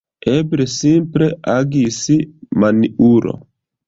Eble, simple agis maniulo!